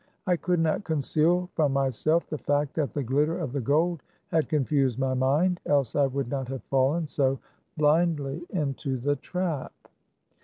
I could not conceal from my self the fact that the glitter of the gold had confused my mind, else I would not have fallen so blindly into the trap.